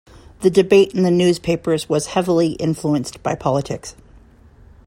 The debate in the newspapers was heavily influenced by politics.